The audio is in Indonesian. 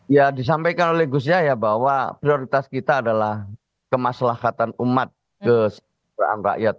ya disampaikan oleh gus yahya bahwa prioritas kita adalah kemaslahatan umat kesejahteraan rakyat